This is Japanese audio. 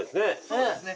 そうですね。